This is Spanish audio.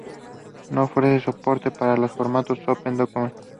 No ofrece soporte para los formatos OpenDocument.